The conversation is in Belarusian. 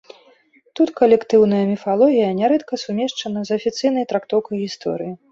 Тут калектыўная міфалогія нярэдка сумешчана з афіцыйнай трактоўкай гісторыі.